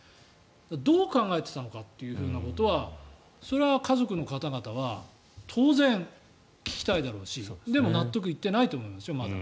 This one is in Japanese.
どう考えていたのかってことはそれは家族の方々は当然聞きたいだろうしでも納得いってないと思いますよまだ。